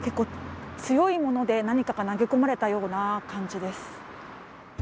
強いもので何かが投げ込まれたような感じです。